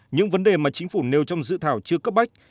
những vấn đề mà chính phủ nêu trong dự thảo chưa cấp bách